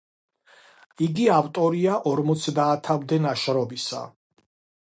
იგი ავტორია ორმოცდაათამდე ნაშრომისა.